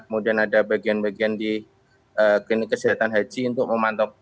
kemudian ada bagian bagian di klinik kesehatan haji untuk memantau